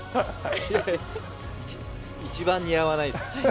一番似合わないです。